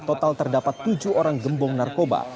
total terdapat tujuh orang gembong narkoba